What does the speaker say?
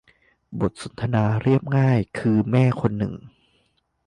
บทสนทนาเรียบง่ายคือแม่คนหนึ่ง